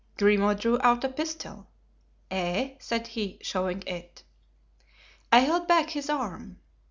Grimaud drew out a pistol. 'Eh?' said he, showing it. I held back his arm.